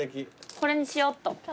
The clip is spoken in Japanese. これにしようっと。